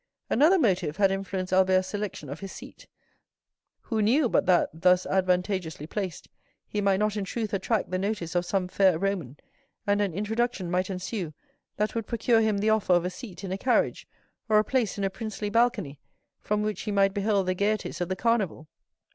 Another motive had influenced Albert's selection of his seat,—who knew but that, thus advantageously placed, he might not in truth attract the notice of some fair Roman, and an introduction might ensue that would procure him the offer of a seat in a carriage, or a place in a princely balcony, from which he might behold the gayeties of the Carnival?